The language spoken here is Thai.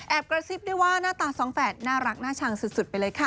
กระซิบได้ว่าหน้าตาสองแฝดน่ารักน่าชังสุดไปเลยค่ะ